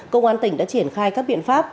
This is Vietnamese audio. công an tỉnh đã triển khai các biện pháp